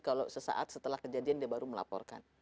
kalau sesaat setelah kejadian dia baru melaporkan